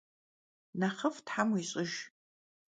Nexhıf' them vuiş'ıjj!